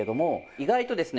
意外とですね